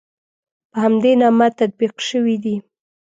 په همدې نامه تطبیق شوي دي.